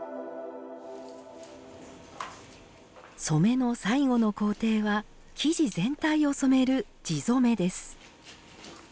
染めの最後の工程は生地全体を染める「地染め」です。